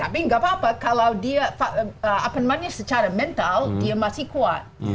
tapi nggak apa apa kalau dia secara mental dia masih kuat